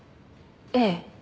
ええ。